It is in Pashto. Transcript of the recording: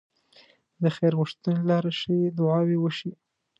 د خير غوښتنې لاره ښې دعاوې وشي.